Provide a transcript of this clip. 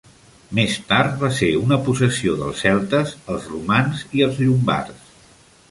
Més tard va ser una possessió dels celtes, els romans i els llombards.